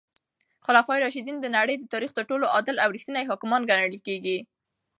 خلفای راشدین د نړۍ د تاریخ تر ټولو عادل او رښتیني حاکمان ګڼل کیږي.